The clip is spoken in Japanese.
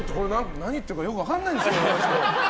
何言ってるかよく分からないんですよ。